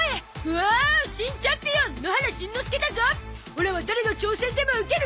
オラは誰の挑戦でも受ける！